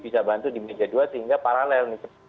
bisa bantu di meja dua sehingga paralel